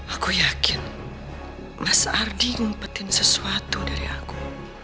aku yakin mas ardi ngumpetin sesuatu dari aku